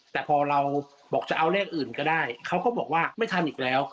แต่พอเราบอกจะเอาเลขอื่นก็ได้เขาก็บอกว่าไม่ทำอีกแล้ว